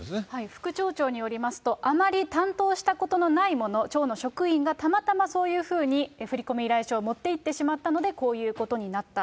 副町長によりますと、あまり担当したことのない者、町の職員が、たまたまそういうふうに振り込み依頼書を持って行ってしまったので、こういうことになった。